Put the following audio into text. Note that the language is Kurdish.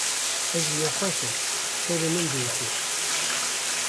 Ez nexweş im, serê min diêşe.